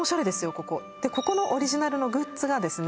ここここのオリジナルのグッズがですね